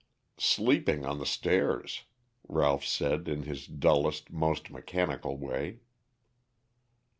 "Sleeping on the stairs," Ralph said in his dullest, most mechanical way.